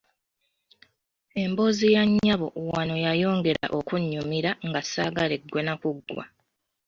Emboozi ya nnyabo wano yayongera okunnyumira nga ssaagala eggwe na kuggwa.